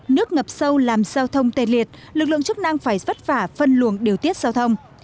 nước ngập sâu làm giao thông tê liệt lực lượng chức năng phải vất vả phân luồng điều tiết giao thông